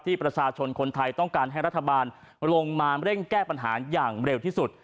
ประชาชนคนไทยต้องการให้รัฐบาลลงมาเร่งแก้ปัญหาอย่างเร็วที่สุด